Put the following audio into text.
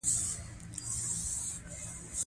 پلاستيکي بوټان هم بازار کې موندل کېږي.